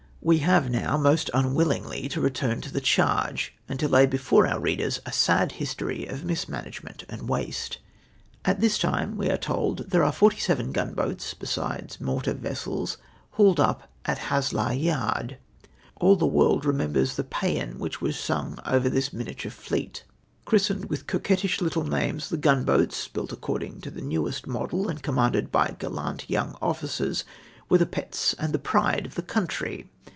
We have now, most unwillingly, to return to the charge, and to lay before our readers a sad history of mismanagement and waste. " At this time, we are told, there are forty seven gunboats, besides mortar vessels, hauled up at Haslar yard. All the world remembers the pa?an which was sung over this minia ture fleet. Christened with coquettish little names, tlie gun boats, built according to the newest model and commanded by gallant young officers, were the pets and the pride of the country.